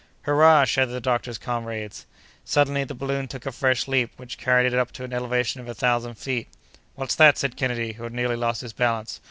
"Hurrah!" shouted the doctor's comrades. Suddenly, the balloon took a fresh leap, which carried it up to an elevation of a thousand feet. "What's that?" said Kennedy, who had nearly lost his balance.